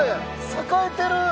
栄えてる！